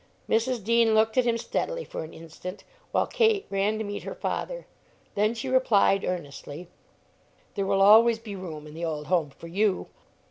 Mrs. Dean looked at him steadily for an instant, while Kate ran to meet her father; then she replied, earnestly, "There will always be room in the old home for you.